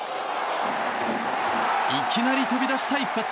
いきなり飛び出した一発。